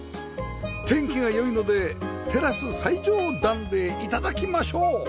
天気が良いのでテラス最上段で頂きましょう